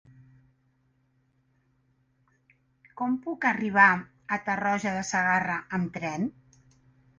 Com puc arribar a Tarroja de Segarra amb tren?